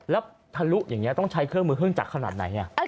แล้วทะลุอย่างนี้ต้องใช้เครื่องมือเครื่องจักรขนาดไหน